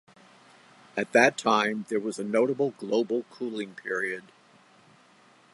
At that time, there was a notable global cooling period.